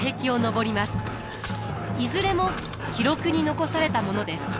いずれも記録に残されたものです。